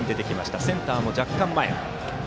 センターも若干前。